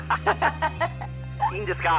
いいんですか？